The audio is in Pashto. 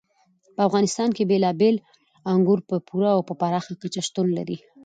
په افغانستان کې بېلابېل انګور په پوره او پراخه کچه شتون لري.